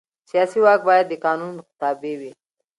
سیاسي واک باید د قانون تابع وي